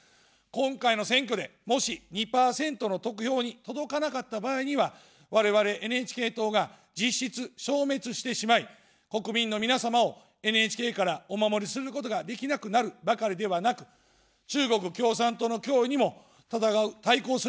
今回の選挙で、もし２％の得票に届かなかった場合には、我々ＮＨＫ党が実質、消滅してしまい、国民の皆様をＮＨＫからお守りすることができなくなるばかりではなく、中国共産党の脅威にも対抗することができなくなってしまいます。